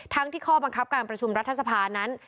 ที่ข้อบังคับการประชุมรัฐสภานั้น